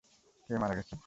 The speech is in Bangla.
কে মারা গেছে?